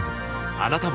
あなたも